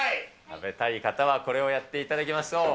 食べたい方はこれをやっていただきましょう。